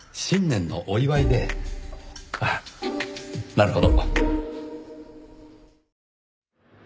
なるほど。